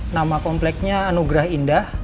nama kompleknya anugrah indah